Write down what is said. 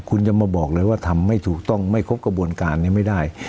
คุณจะมาบอกเลยว่าทำไม่ถูกต้องไม่ครบกระบวนการนี้ไม่ได้